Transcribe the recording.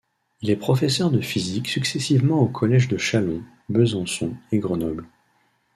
Il est professeur de physique successivement aux collèges de Châlons, Besançon et Grenoble.